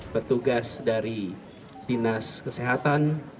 pertugas dari dinas kesehatan